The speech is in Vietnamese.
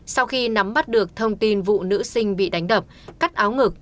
sau khi nắm bắt được thông tin vụ nữ sinh bị đánh đập cắt áo ngực